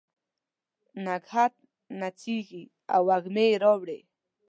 نګهت نڅیږې او وږمه یې اوري